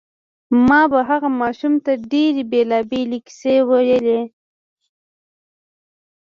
ما به هغه ماشوم ته ډېرې بېلابېلې کیسې ویلې